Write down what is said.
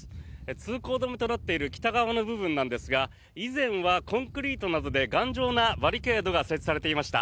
通行止めとなっている北側の部分なんですが以前はコンクリートなどで頑丈なバリケードが設置されていました。